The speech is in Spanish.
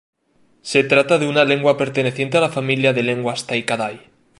Se trata de una lengua perteneciente a la familia de lenguas tai-kadai.